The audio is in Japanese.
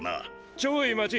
ちょい待ち